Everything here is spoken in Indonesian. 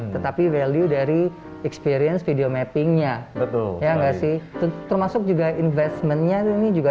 tetapi value dari experience video mappingnya betul ya enggak sih termasuk juga investmentnya ini juga